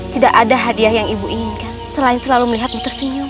tidak ada hadiah yang ibu inginkan selain selalu melihat tersenyum